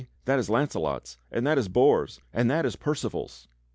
that is Launcelot's, and that is Bors', and that is Per cival's!"